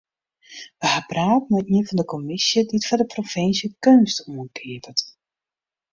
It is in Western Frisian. We ha praat mei ien fan de kommisje dy't foar de provinsje keunst oankeapet.